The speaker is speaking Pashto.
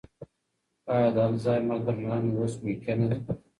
ایا د الزایمر درملنه اوس ممکنه ده؟